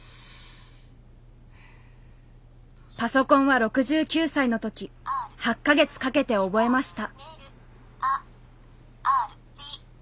パソコンは６９歳の時８か月かけて覚えました。